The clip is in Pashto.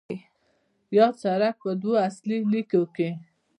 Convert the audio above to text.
یاد سړک په دوو اصلي لیکو کې